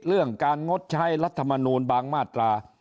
เรื่องการงดใช้รัฐมนูลบางมาตรา